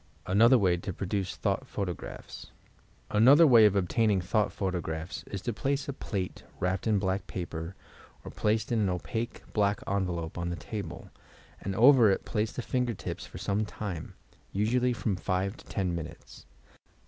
ANOTHER WAT TO PRODUCE THOUGH T PUOTOQKAPHS Another way of obtaining thought photographs is to place a plate wrapped in black paper, or placed in an opaque black envelope, on the table, and over it place the finger tips for some time, — usually from 5 to 10 minutes.